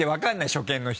初見の人。